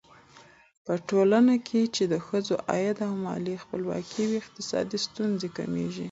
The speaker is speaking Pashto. په ټولنه کې چې د ښځو عايد او مالي خپلواکي وي، اقتصادي ستونزې کمېږي.